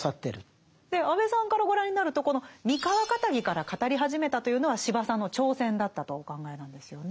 安部さんからご覧になるとこの三河かたぎから語り始めたというのは司馬さんの挑戦だったとお考えなんですよね。